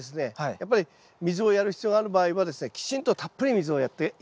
やっぱり水をやる必要がある場合はきちんとたっぷり水をやって頂きたいと思います。